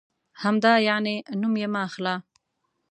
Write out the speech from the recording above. همدا یعنې؟ نوم یې مه اخله.